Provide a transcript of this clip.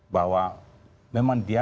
bahwa memang dia